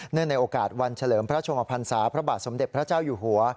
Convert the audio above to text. ในโอกาสวันเฉลิมพระชมพันศาพระบาทสมเด็จพระเจ้าอยู่หัว